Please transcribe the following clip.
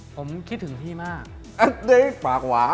ผมคิดถึงพี่มาก